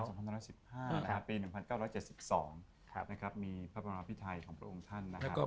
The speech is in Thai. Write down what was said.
สองพันห้าร้อยสิบห้านะครับปีหนึ่งพันเก้าร้อยเจ็ดสิบสองครับนะครับมีพระบรรณาพิทัยของพระองค์ท่านนะครับ